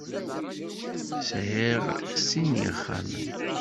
Sɛiɣ sin n yixxamen.